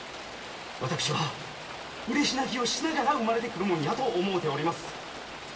私はうれし泣きをしながら生まれてくるもんやと思うております。